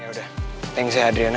yaudah thanks ya adriana